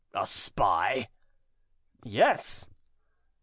"A spy?" "Yes."